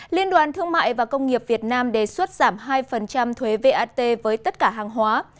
liên đoàn thương mại và công nghiệp việt nam đề xuất giảm hai thuế vat với tất cả hàng hóa